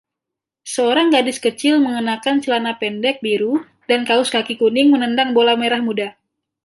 Seorang gadis kecil mengenakan celana pendek biru dan kaus kaki kuning menendang bola merah muda.